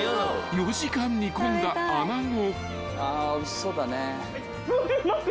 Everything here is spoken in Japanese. ［４時間煮込んだアナゴ］